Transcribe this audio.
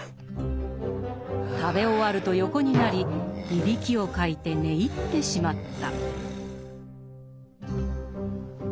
食べ終わると横になりいびきをかいて寝入ってしまった。